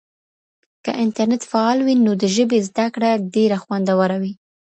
که انټرنیټ فعال وي نو د ژبې زده کړه ډېره خوندوره وي.